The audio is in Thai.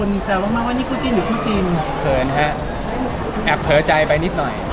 มีมีมีมีมีมีมีมีมีมีมีมีมีมีมีมีมีมีมี